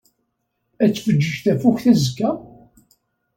Ad tfeǧǧeǧ tafukt azekka?